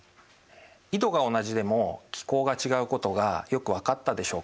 緯度が同じでも気候が違うことがよく分かったでしょうか？